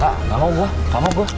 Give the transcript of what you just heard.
enggak mau gue gak mau gue